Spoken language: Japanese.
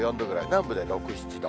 南部で６、７度。